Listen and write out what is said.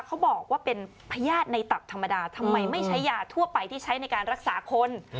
เขาบอกว่าเป็นพญาติในตับธรรมดาทำไมไม่ใช้ยาทั่วไปที่ใช้ในการรักษาคน